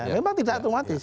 memang tidak otomatis